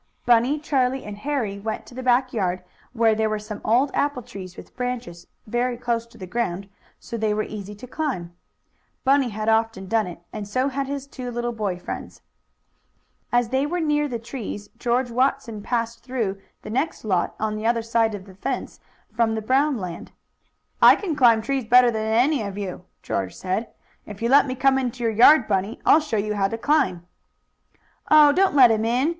Bunny, Charlie and Harry went to the back yard, where there were some old apple trees, with branches very close to the ground, so they were easy to climb. Bunny had often done it, and so had his two little boy friends. As they were near the trees George Watson passed through the next lot, on the other side of the fence from the Brown land. "I can climb trees better than any of you," George said. "If you let me come into your yard, Bunny, I'll show you how to climb." "Oh, don't let him in!"